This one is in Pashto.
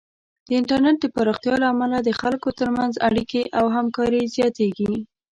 د انټرنیټ د پراختیا له امله د خلکو ترمنځ اړیکې او همکاري زیاتېږي.